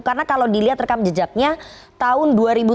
karena kalau dilihat rekam jejaknya tahun dua ribu tujuh belas